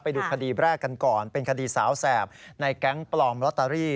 ไปดูคดีแรกกันก่อนเป็นคดีสาวแสบในแก๊งปลอมลอตเตอรี่